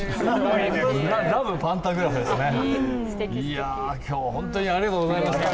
いや今日本当にありがとうございました。